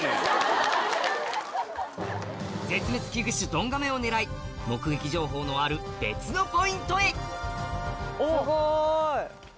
絶滅危惧種ドンガメを狙い目撃情報のある別のポイントへすごい。